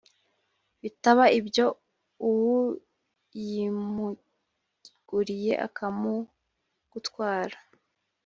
bitaba ibyo uwuyimuguriye akamugutwara